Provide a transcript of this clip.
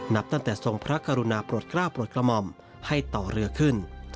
นับตั้งแต่ทรงพระกรุณาปลดกล้าปลดกระหม่อมให้ต่อเรือขึ้น